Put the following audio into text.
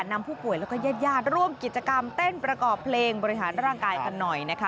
นำผู้ป่วยแล้วก็ญาติญาติร่วมกิจกรรมเต้นประกอบเพลงบริหารร่างกายกันหน่อยนะคะ